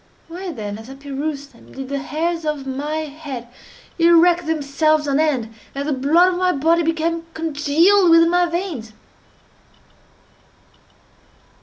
Why then, as I perused them, did the hairs of my head erect themselves on end, and the blood of my body become congealed within my veins?